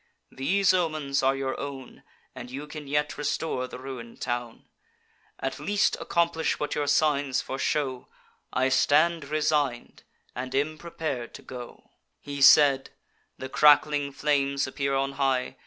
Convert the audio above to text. These omens are your own, And you can yet restore the ruin'd town. At least accomplish what your signs foreshow: I stand resign'd, and am prepar'd to go.' "He said. The crackling flames appear on high.